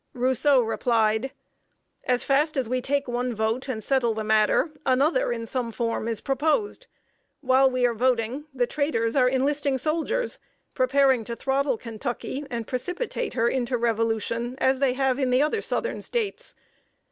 Rousseau replied: "As fast as we take one vote, and settle the matter, another, in some form, is proposed. While we are voting, the traitors are enlisting soldiers, preparing to throttle Kentucky and precipitate her into Revolution as they have the other southern States.